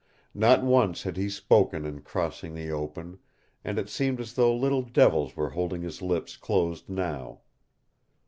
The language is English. Not once had he spoken in crossing the open, and it seemed as though little devils were holding his lips closed now.